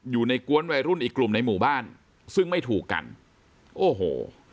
อยู่ในกวนวัยรุ่นอีกกลุ่มในหมู่บ้านซึ่งไม่ถูกกันโอ้โห